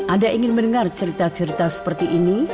anda ingin mendengar cerita cerita seperti ini